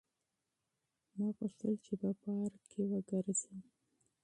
ما غوښتل چې په پارک کې منډه وهم.